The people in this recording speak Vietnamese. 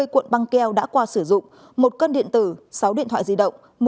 hai mươi cuộn băng keo đã qua sử dụng một cân điện tử sáu điện thoại di động